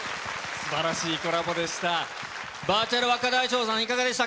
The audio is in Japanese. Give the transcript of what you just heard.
すばらしいコラボでした。